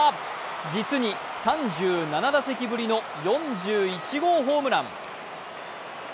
実に３７打席ぶりの４１号ホームラン。